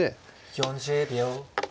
４０秒。